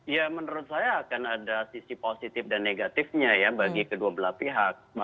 ya menurut saya akan ada sisi positif dan negatifnya ya bagi kedua belah pihak